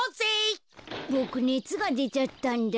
ボクねつがでちゃったんだ。